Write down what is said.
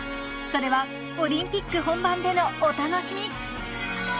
［それはオリンピック本番でのお楽しみ］